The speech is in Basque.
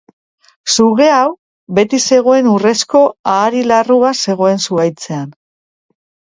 Suge hau, beti zegoen urrezko ahari larrua zegoen zuhaitzean.